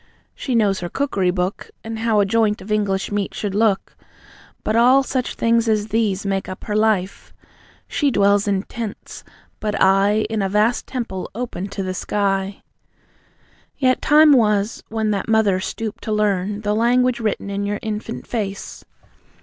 She knows her cookery book, And how a joint of English meat should look. But all such things as these Make up her life. She dwells in tents, but I In a vast temple open to the sky." Yet, time was, when that Mother stooped to learn The language written in your infant face.